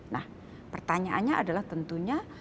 nah pertanyaannya adalah tentunya